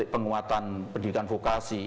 penguatan pendidikan vokasi